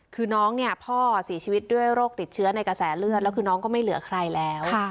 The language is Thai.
คือน้องเนี่ยพ่อเสียชีวิตด้วยโรคติดเชื้อในกระแสเลือดแล้วคือน้องก็ไม่เหลือใครแล้ว